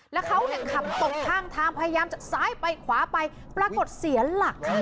แล้วเขาเนี่ยขับตกข้างทางพยายามจะซ้ายไปขวาไปปรากฏเสียหลักค่ะ